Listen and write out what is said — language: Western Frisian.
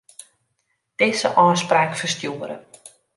Dizze ôfspraak ferstjoere.